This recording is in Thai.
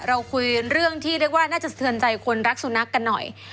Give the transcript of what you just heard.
เราคุยเรื่องที่เรียกว่าน่าจะสะเทือนใจคนรักสุนัขกันหน่อย